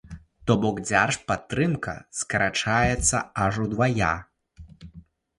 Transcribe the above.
То бок, дзяржпадтрымка скарачаецца аж удвая!